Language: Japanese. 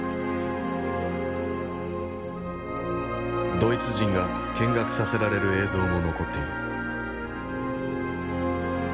ドイツ人が見学させられる映像も残っている。